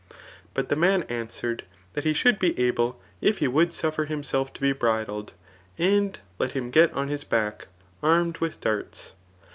But the man answered, that he should be able if he would suffer himself to be bridled, and let Jiim get on his back, armed with darta.